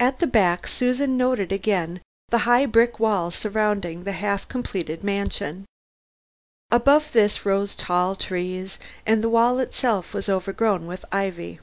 At the back, Susan noted again the high brick wall surrounding the half completed mansion. Above this rose tall trees, and the wall itself was overgrown with ivy.